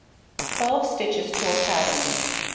Twelve stitches to a pattern.